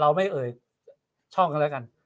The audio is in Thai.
เราไม่เอ่ยช่องกันแล้วกัน